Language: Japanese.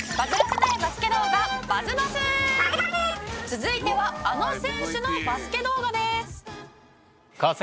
「続いてはあの選手のバスケ動画です」